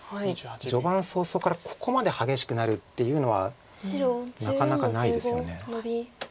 序盤早々からここまで激しくなるっていうのはなかなかないですよね。